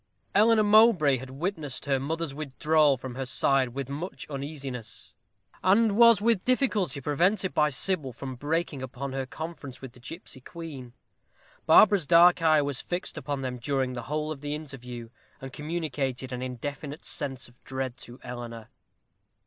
_ Eleanor Mowbray had witnessed her mother's withdrawal from her side with much uneasiness, and was with difficulty prevented by Sybil from breaking upon her conference with the gipsy queen. Barbara's dark eye was fixed upon them during the whole of the interview, and communicated an indefinite sense of dread to Eleanor.